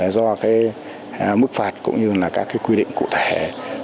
do mức phạt cũng như các quy định cụ thể